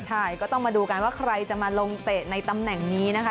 ใช่ก็ต้องมาดูกันว่าใครจะมาลงเตะในตำแหน่งนี้นะคะ